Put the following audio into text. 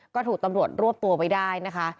ก็ถูกตำรวจรวบตัวไว้ได้นะคะ